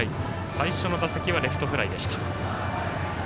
最初の打席はレフトフライでした。